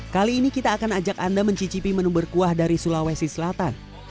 kali ini kita akan ajak anda mencicipi menu berkuah dari sulawesi selatan